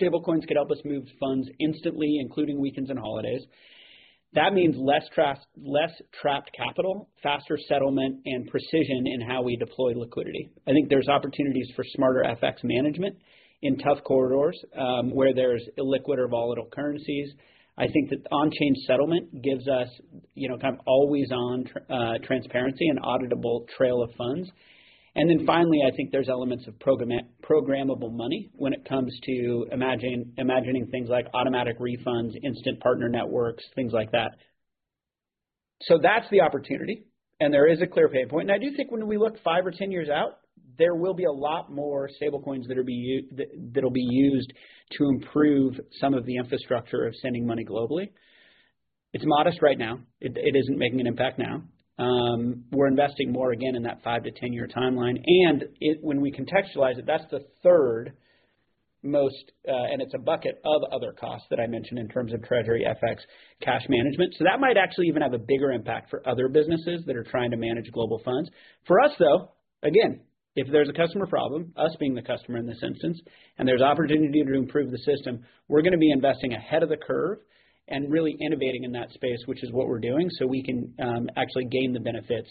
stablecoins could help us move funds instantly, including weekends and holidays. That means less trapped capital, faster settlement, and precision in how we deploy liquidity. I think there's opportunities for smarter FX management in tough corridors where there's illiquid or volatile currencies. I think that on-chain settlement gives us kind of always-on transparency and auditable trail of funds. And then finally, I think there's elements of programmable money when it comes to imagining things like automatic refunds, instant partner networks, things like that. So that's the opportunity, and there is a clear pain point. I do think when we look five or 10 years out, there will be a lot more stablecoins that will be used to improve some of the infrastructure of sending money globally. It's modest right now. It isn't making an impact now. We're investing more again in that 5-10 year timeline. When we contextualize it, that's the third most, and it's a bucket of other costs that I mentioned in terms of treasury, FX, cash management. So that might actually even have a bigger impact for other businesses that are trying to manage global funds. For us, though, again, if there's a customer problem, us being the customer in this instance, and there's opportunity to improve the system, we're going to be investing ahead of the curve and really innovating in that space, which is what we're doing so we can actually gain the benefits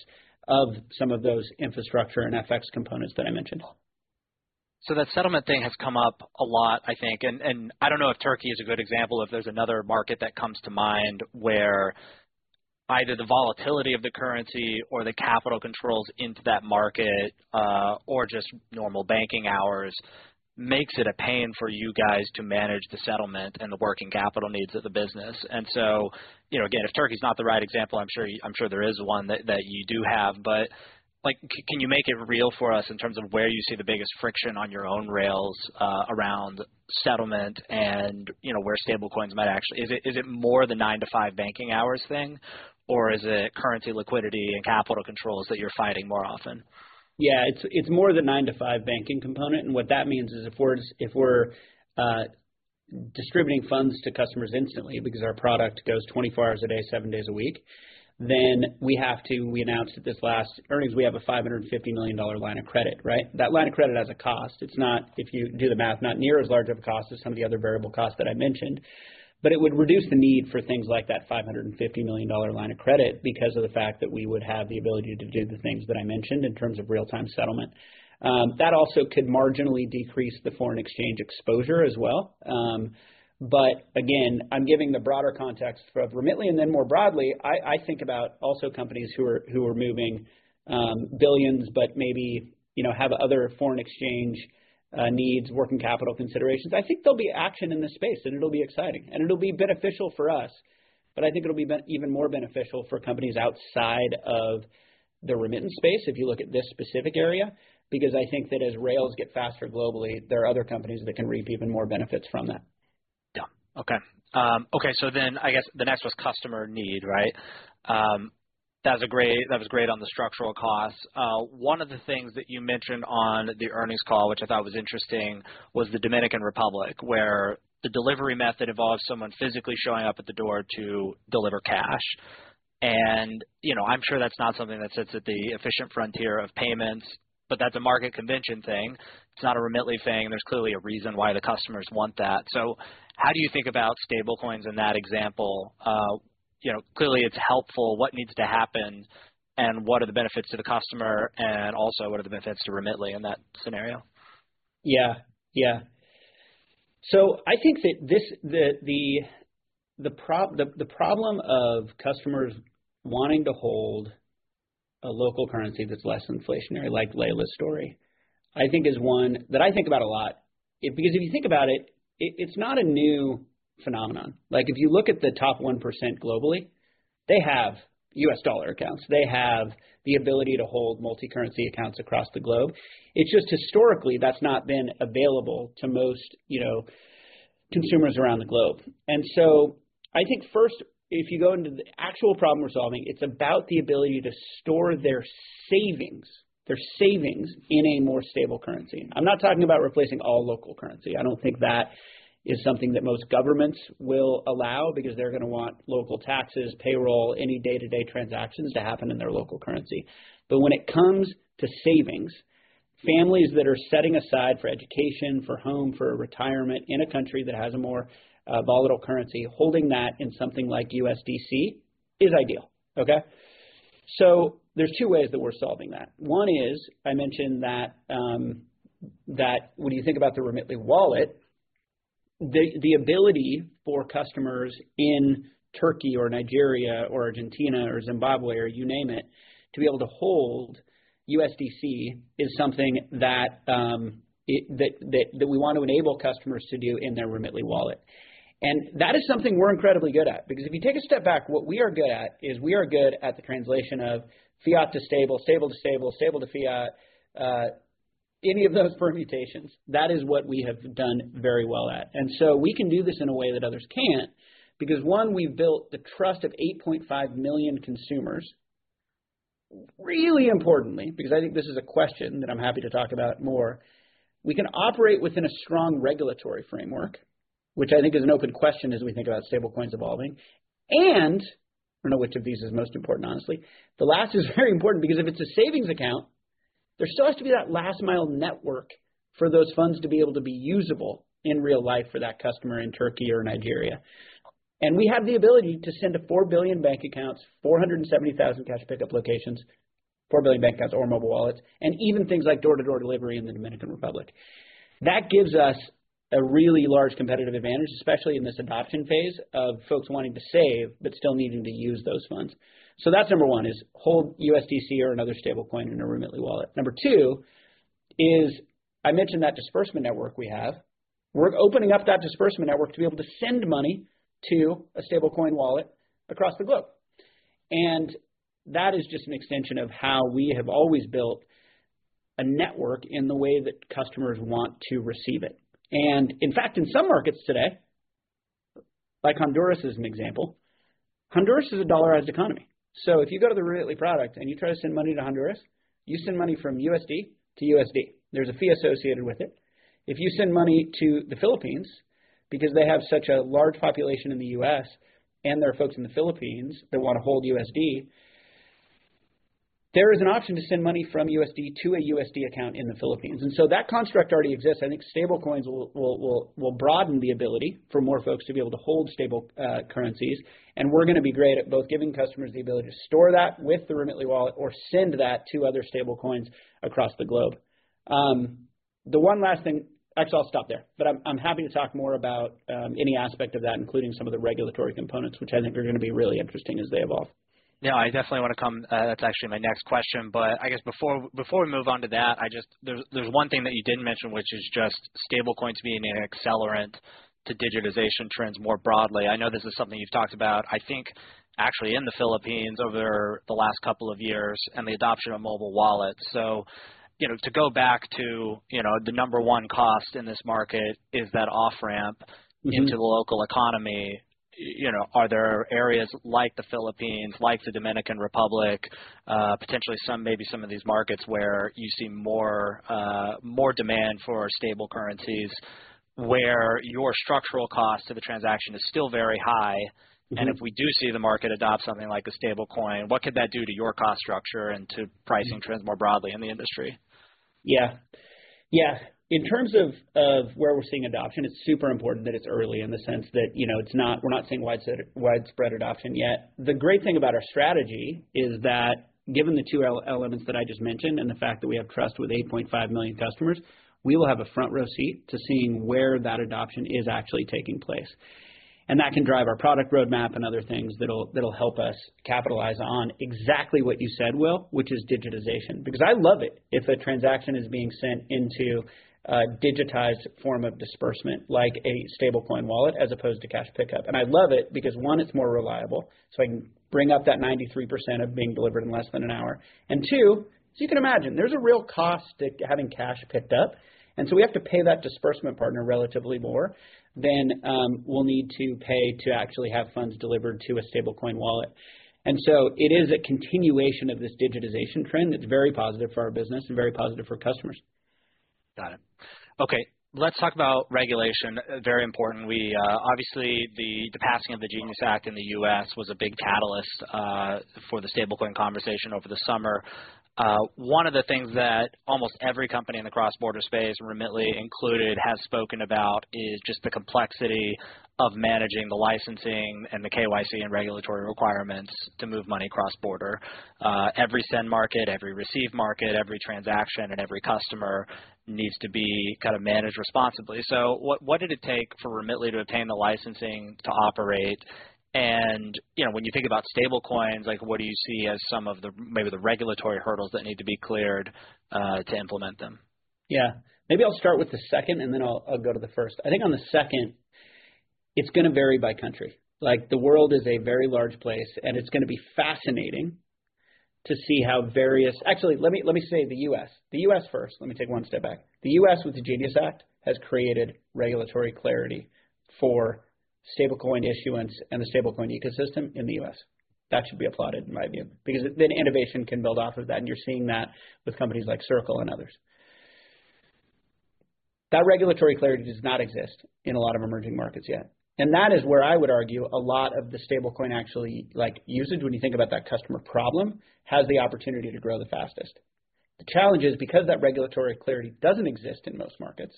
of some of those infrastructure and FX components that I mentioned. So that settlement thing has come up a lot, I think. And I don't know if Turkey is a good example if there's another market that comes to mind where either the volatility of the currency or the capital controls into that market or just normal banking hours makes it a pain for you guys to manage the settlement and the working capital needs of the business. And so again, if Turkey's not the right example, I'm sure there is one that you do have. But can you make it real for us in terms of where you see the biggest friction on your own rails around settlement and where stablecoins might actually [help? Is it] more the 9:00 A.M. to 5:00 P.M. banking hours thing, or is it currency, liquidity, and capital controls that you're fighting more often? Yeah. It's more the 9:00 A.M. to 5:00 P.M. banking component, and what that means is if we're distributing funds to customers instantly because our product goes 24 hours a day, seven days a week, then we announced at this last earnings we have a $550 million line of credit, right? That line of credit has a cost. If you do the math, not near as large of a cost as some of the other variable costs that I mentioned, but it would reduce the need for things like that $550 million line of credit because of the fact that we would have the ability to do the things that I mentioned in terms of real-time settlement. That also could marginally decrease the foreign exchange exposure as well, but again, I'm giving the broader context of Remitly. And then more broadly, I think about also companies who are moving billions but maybe have other foreign exchange needs, working capital considerations. I think there'll be action in this space, and it'll be exciting. And it'll be beneficial for us. But I think it'll be even more beneficial for companies outside of the Remitly space if you look at this specific area because I think that as rails get faster globally, there are other companies that can reap even more benefits from that. Yeah. Okay. Okay. So then I guess the next was customer need, right? That was great on the structural costs. One of the things that you mentioned on the earnings call, which I thought was interesting, was the Dominican Republic where the delivery method involves someone physically showing up at the door to deliver cash. And I'm sure that's not something that sits at the efficient frontier of payments, but that's a market convention thing. It's not a Remitly thing. There's clearly a reason why the customers want that. So how do you think about stablecoins in that example? Clearly, it's helpful. What needs to happen? And what are the benefits to the customer? And also, what are the benefits to Remitly in that scenario? Yeah. Yeah. So I think that the problem of customers wanting to hold a local currency that's less inflationary, like Leyla's story, I think is one that I think about a lot because if you think about it, it's not a new phenomenon. If you look at the top 1% globally, they have U.S. dollar accounts. They have the ability to hold multi-currency accounts across the globe. It's just historically, that's not been available to most consumers around the globe. And so I think first, if you go into the actual problem we're solving, it's about the ability to store their savings in a more stable currency. I'm not talking about replacing all local currency. I don't think that is something that most governments will allow because they're going to want local taxes, payroll, any day-to-day transactions to happen in their local currency. But when it comes to savings, families that are setting aside for education, for home, for retirement in a country that has a more volatile currency, holding that in something like USDC is ideal. Okay? So there's two ways that we're solving that. One is I mentioned that when you think about the Remitly Wallet, the ability for customers in Turkey or Nigeria or Argentina or Zimbabwe or you name it to be able to hold USDC is something that we want to enable customers to do in their Remitly Wallet. And that is something we're incredibly good at because if you take a step back, what we are good at is we are good at the translation of fiat to stable, stable to stable, stable to fiat, any of those permutations. That is what we have done very well at. And so we can do this in a way that others can't because, one, we've built the trust of 8.5 million consumers really importantly because I think this is a question that I'm happy to talk about more. We can operate within a strong regulatory framework, which I think is an open question as we think about stablecoins evolving, and I don't know which of these is most important, honestly. The last is very important because if it's a savings account, there still has to be that last-mile network for those funds to be able to be usable in real life for that customer in Turkey or Nigeria, and we have the ability to send to 4 billion bank accounts, 470,000 cash pickup locations, 4 billion bank accounts or mobile wallets, and even things like door-to-door delivery in the Dominican Republic. That gives us a really large competitive advantage, especially in this adoption phase of folks wanting to save but still needing to use those funds, so that's number one is hold USDC or another stablecoin in a Remitly Wallet. Number two is I mentioned that disbursement network we have. We're opening up that disbursement network to be able to send money to a stablecoin wallet across the globe, and that is just an extension of how we have always built a network in the way that customers want to receive it, and in fact, in some markets today, like Honduras is an example, Honduras is a dollarized economy, so if you go to the Remitly product and you try to send money to Honduras, you send money from USD to USD. There's a fee associated with it. If you send money to the Philippines because they have such a large population in the U.S. and there are folks in the Philippines that want to hold USD, there is an option to send money from USD to a USD account in the Philippines, and so that construct already exists. I think stablecoins will broaden the ability for more folks to be able to hold stable currencies, and we're going to be great at both giving customers the ability to store that with the Remitly Wallet or send that to other stablecoins across the globe. The one last thing actually, I'll stop there, but I'm happy to talk more about any aspect of that, including some of the regulatory components, which I think are going to be really interesting as they evolve. Yeah. I definitely want to come, that's actually my next question. But I guess before we move on to that, there's one thing that you didn't mention, which is just stablecoins being an accelerant to digitization trends more broadly. I know this is something you've talked about, I think, actually in the Philippines over the last couple of years and the adoption of mobile wallets. So to go back to the number one cost in this market is that off-ramp into the local economy. Are there areas like the Philippines, like the Dominican Republic, potentially maybe some of these markets where you see more demand for stable currencies where your structural cost to the transaction is still very high? And if we do see the market adopt something like a stablecoin, what could that do to your cost structure and to pricing trends more broadly in the industry? Yeah. Yeah. In terms of where we're seeing adoption, it's super important that it's early in the sense that we're not seeing widespread adoption yet. The great thing about our strategy is that given the two elements that I just mentioned and the fact that we have trust with 8.5 million customers, we will have a front-row seat to seeing where that adoption is actually taking place, and that can drive our product roadmap and other things that'll help us capitalize on exactly what you said, Will, which is digitization. Because I love it if a transaction is being sent into a digitized form of disbursement like a stablecoin wallet as opposed to cash pickup, and I love it because, one, it's more reliable, so I can bring up that 93% of being delivered in less than an hour. And two, as you can imagine, there's a real cost to having cash picked up. And so we have to pay that disbursement partner relatively more than we'll need to pay to actually have funds delivered to a stablecoin wallet. And so it is a continuation of this digitization trend that's very positive for our business and very positive for customers. Got it. Okay. Let's talk about regulation. Very important. Obviously, the passing of the Genius Act in the U.S. was a big catalyst for the stablecoin conversation over the summer. One of the things that almost every company in the cross-border space, Remitly included, has spoken about is just the complexity of managing the licensing and the KYC and regulatory requirements to move money cross-border. Every send market, every receive market, every transaction, and every customer needs to be kind of managed responsibly. So what did it take for Remitly to obtain the licensing to operate? And when you think about stablecoins, what do you see as some of maybe the regulatory hurdles that need to be cleared to implement them? Yeah. Maybe I'll start with the second, and then I'll go to the first. I think on the second, it's going to vary by country. The world is a very large place, and it's going to be fascinating to see how various actually, let me say the U.S. The U.S. first. Let me take one step back. The U.S. with the Genius Act has created regulatory clarity for stablecoin issuance and the stablecoin ecosystem in the U.S. That should be applauded, in my view, because then innovation can build off of that. And you're seeing that with companies like Circle and others. That regulatory clarity does not exist in a lot of emerging markets yet. And that is where I would argue a lot of the stablecoin actually usage, when you think about that customer problem, has the opportunity to grow the fastest. The challenge is because that regulatory clarity doesn't exist in most markets,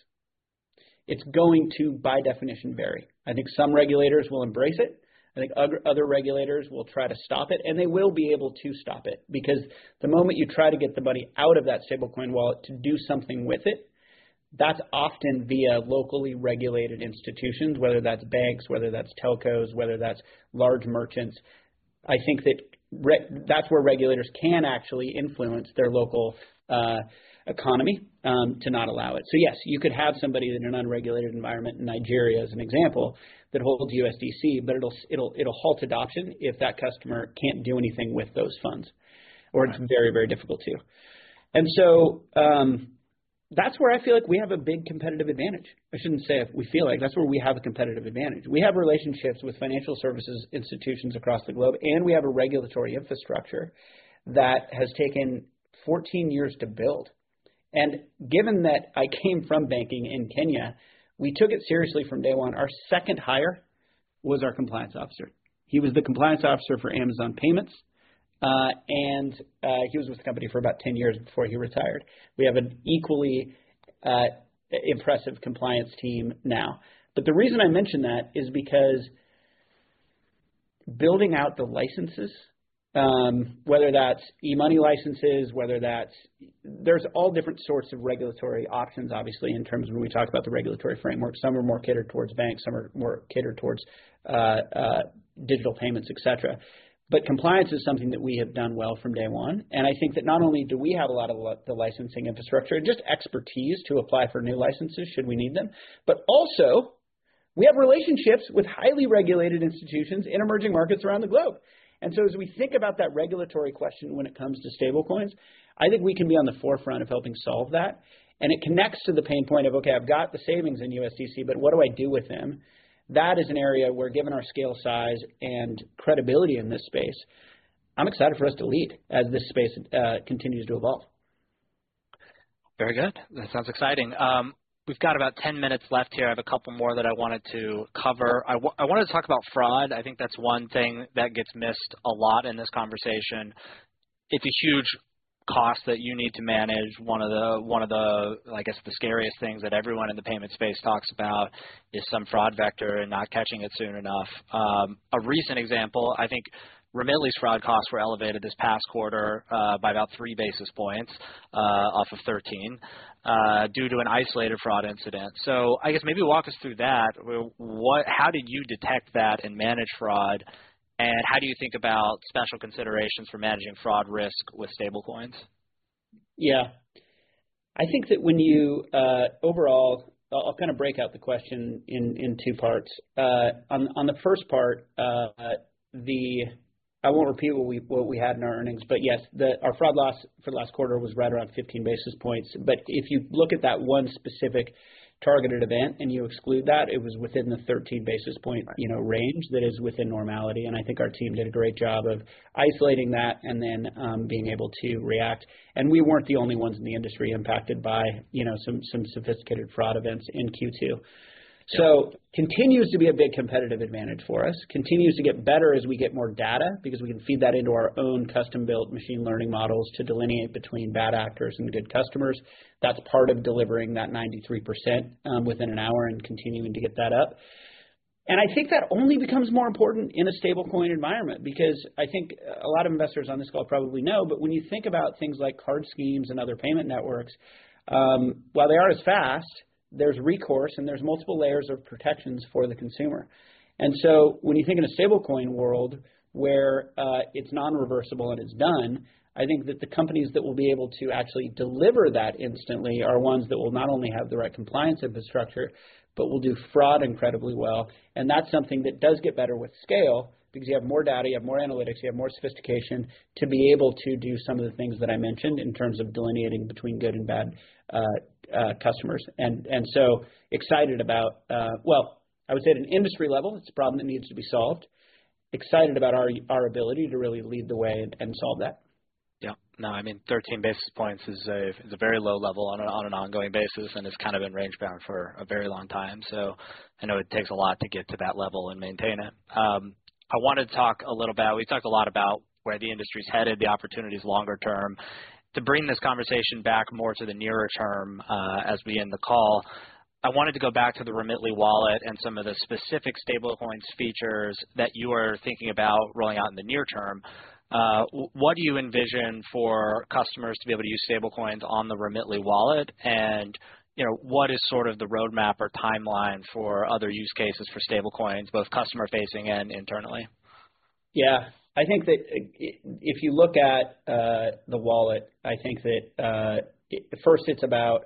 it's going to, by definition, vary. I think some regulators will embrace it. I think other regulators will try to stop it. And they will be able to stop it because the moment you try to get the money out of that stablecoin wallet to do something with it, that's often via locally regulated institutions, whether that's banks, whether that's telcos, whether that's large merchants. I think that that's where regulators can actually influence their local economy to not allow it. So yes, you could have somebody in an unregulated environment in Nigeria, as an example, that holds USDC, but it'll halt adoption if that customer can't do anything with those funds or it's very, very difficult to. And so that's where I feel like we have a big competitive advantage. I shouldn't say we feel like that's where we have a competitive advantage. We have relationships with financial services institutions across the globe, and we have a regulatory infrastructure that has taken 14 years to build, and given that I came from banking in Kenya, we took it seriously from day one. Our second hire was our compliance officer. He was the compliance officer for Amazon Payments, and he was with the company for about 10 years before he retired. We have an equally impressive compliance team now, but the reason I mention that is because building out the licenses, whether that's e-money licenses, whether that's, there's all different sorts of regulatory options, obviously, in terms of when we talk about the regulatory framework, some are more catered towards banks, some are more catered towards digital payments, etc., but compliance is something that we have done well from day one. And I think that not only do we have a lot of the licensing infrastructure and just expertise to apply for new licenses should we need them, but also we have relationships with highly regulated institutions in emerging markets around the globe. And so as we think about that regulatory question when it comes to stablecoins, I think we can be on the forefront of helping solve that. And it connects to the pain point of, "Okay, I've got the savings in USDC, but what do I do with them?" That is an area where, given our scale size and credibility in this space, I'm excited for us to lead as this space continues to evolve. Very good. That sounds exciting. We've got about 10 minutes left here. I have a couple more that I wanted to cover. I wanted to talk about fraud. I think that's one thing that gets missed a lot in this conversation. It's a huge cost that you need to manage. One of the, I guess, the scariest things that everyone in the payment space talks about is some fraud vector and not catching it soon enough. A recent example, I think Remitly's fraud costs were elevated this past quarter by about three basis points off of 13 due to an isolated fraud incident. So I guess maybe walk us through that. How did you detect that and manage fraud? And how do you think about special considerations for managing fraud risk with stablecoins? Yeah. I think that when you overall, I'll kind of break out the question in two parts. On the first part, I won't repeat what we had in our earnings, but yes, our fraud loss for the last quarter was right around 15 basis points. But if you look at that one specific targeted event and you exclude that, it was within the 13 basis point range that is within normality. And I think our team did a great job of isolating that and then being able to react. And we weren't the only ones in the industry impacted by some sophisticated fraud events in Q2. So it continues to be a big competitive advantage for us, continues to get better as we get more data because we can feed that into our own custom-built machine learning models to delineate between bad actors and good customers. That's part of delivering that 93% within an hour and continuing to get that up, and I think that only becomes more important in a stablecoin environment because I think a lot of investors on this call probably know, but when you think about things like card schemes and other payment networks, while they are as fast, there's recourse and there's multiple layers of protections for the consumer, and so when you think in a stablecoin world where it's non-reversible and it's done, I think that the companies that will be able to actually deliver that instantly are ones that will not only have the right compliance infrastructure, but will do fraud incredibly well. That's something that does get better with scale because you have more data, you have more analytics, you have more sophistication to be able to do some of the things that I mentioned in terms of delineating between good and bad customers. So excited about, well, I would say at an industry level, it's a problem that needs to be solved. Excited about our ability to really lead the way and solve that. Yeah. No, I mean, 13 basis points is a very low level on an ongoing basis, and it's kind of been rangebound for a very long time. So I know it takes a lot to get to that level and maintain it. I wanted to talk a little bit. We talked a lot about where the industry's headed, the opportunities longer term. To bring this conversation back more to the nearer term as we end the call, I wanted to go back to the Remitly Wallet and some of the specific stablecoins features that you are thinking about rolling out in the near term. What do you envision for customers to be able to use stablecoins on the Remitly Wallet? And what is sort of the roadmap or timeline for other use cases for stablecoins, both customer-facing and internally? Yeah. I think that if you look at the wallet, I think that first it's about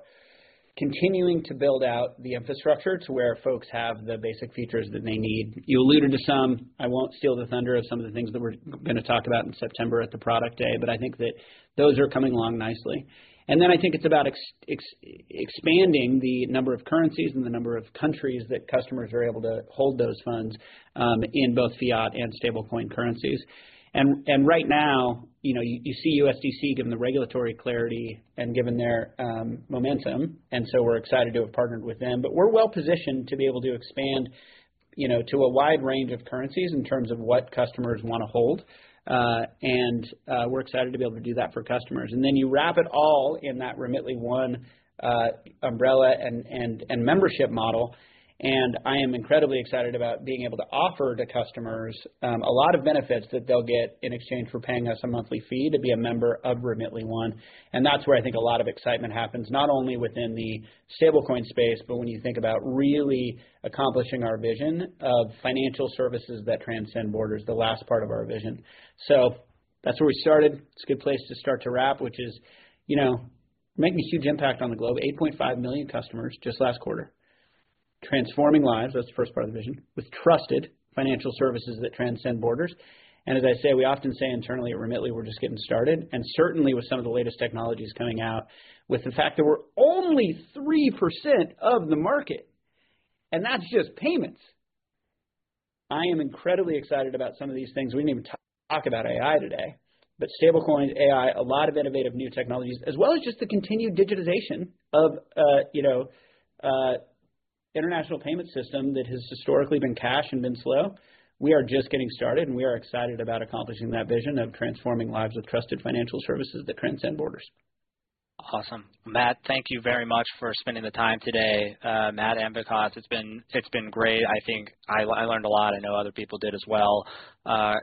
continuing to build out the infrastructure to where folks have the basic features that they need. You alluded to some. I won't steal the thunder of some of the things that we're going to talk about in September at the product day, but I think that those are coming along nicely. And then I think it's about expanding the number of currencies and the number of countries that customers are able to hold those funds in both fiat and stablecoin currencies. And right now, you see USDC given the regulatory clarity and given their momentum. And so we're excited to have partnered with them. But we're well-positioned to be able to expand to a wide range of currencies in terms of what customers want to hold. And we're excited to be able to do that for customers. And then you wrap it all in that Remitly One umbrella and membership model. And I am incredibly excited about being able to offer to customers a lot of benefits that they'll get in exchange for paying us a monthly fee to be a member of Remitly One. And that's where I think a lot of excitement happens, not only within the stablecoin space, but when you think about really accomplishing our vision of financial services that transcend borders, the last part of our vision. So that's where we started. It's a good place to start to wrap, which is making a huge impact on the globe, 8.5 million customers just last quarter, transforming lives. That's the first part of the vision with trusted financial services that transcend borders. As I say, we often say internally at Remitly, we're just getting started. And certainly with some of the latest technologies coming out, with the fact that we're only 3% of the market, and that's just payments. I am incredibly excited about some of these things. We didn't even talk about AI today, but stablecoins, AI, a lot of innovative new technologies, as well as just the continued digitization of the international payment system that has historically been cash and been slow. We are just getting started, and we are excited about accomplishing that vision of transforming lives with trusted financial services that transcend borders. Awesome. Matt, thank you very much for spending the time today. Matt and Vikas, it's been great. I think I learned a lot. I know other people did as well.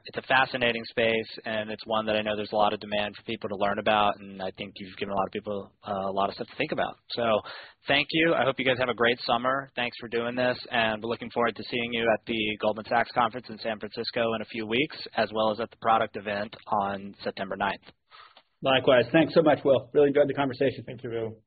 It's a fascinating space, and it's one that I know there's a lot of demand for people to learn about, and I think you've given a lot of people a lot of stuff to think about, so thank you. I hope you guys have a great summer. Thanks for doing this, and we're looking forward to seeing you at the Goldman Sachs Conference in San Francisco in a few weeks, as well as at the product event on September 9th. Likewise. Thanks so much, Will. Really enjoyed the conversation. Thank you, Will.